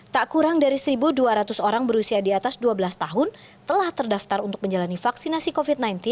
tak kurang dari satu dua ratus orang berusia di atas dua belas tahun telah terdaftar untuk menjalani vaksinasi covid sembilan belas